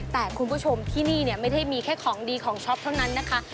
แต่คุณผู้ชมที่นี่เนี่ยไม่ได้มีแค่ของดีของช็อปเท่านั้นนะคะ